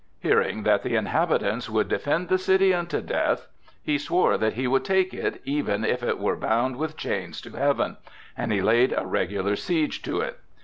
Hearing that the inhabitants would defend the city unto death, he swore that he would take it, even if it were bound with chains to Heaven, and he laid a regular siege to it.